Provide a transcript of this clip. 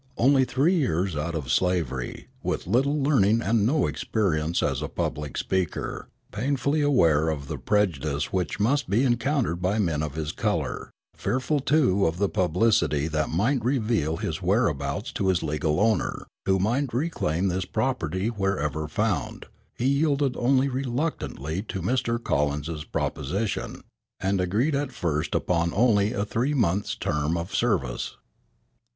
Only three years out of slavery, with little learning and no experience as a public speaker, painfully aware of the prejudice which must be encountered by men of his color, fearful too of the publicity that might reveal his whereabouts to his legal owner, who might reclaim his property wherever found, he yielded only reluctantly to Mr. Collins's proposition, and agreed at first upon only a three months' term of service.